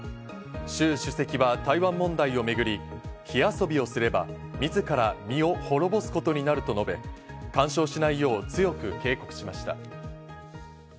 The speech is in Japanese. シュウ主席は台湾問題をめぐり、火遊びをすれば自ら身を滅ぼすことになると述べ、干渉しないよう強く警告しました。